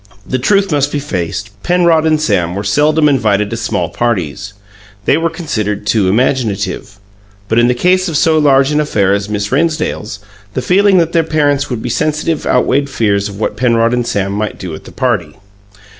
The truth must be faced: Penrod and Sam were seldom invited to small parties; they were considered too imaginative. But in the case of so large an affair as Miss Rennsdale's, the feeling that their parents would be sensitive outweighed fears of what Penrod and Sam might do at the party.